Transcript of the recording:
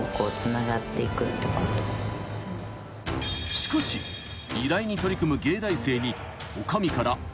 ［しかし依頼に取り組む藝大生に］